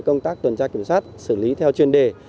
công tác tuần tra kiểm soát xử lý theo chuyên đề